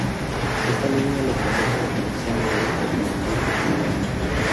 Esta línea le permite la conexión indirecta con Hamburgo y Bremen.